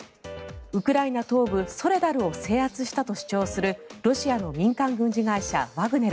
ウクライナ東部ソレダルを制圧したと主張するロシアの民間軍事会社ワグネル。